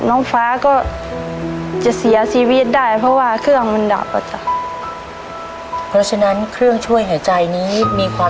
น้องฟ้าก็จะเสียชีวิตได้เพราะว่าเครื่องมันดับอ่ะจ๊ะ